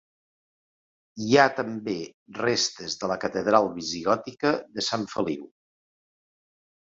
Hi ha també restes de la catedral visigòtica de Sant Feliu.